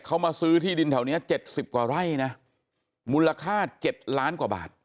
เขามาซื้อที่ดินแถวนี้๗๐กว่าไร่นะมูลค่า๗ล้านกว่าบาท